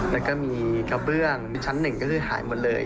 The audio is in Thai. แล้วก็มีกระเบื้องมีชั้นหนึ่งก็คือหายหมดเลย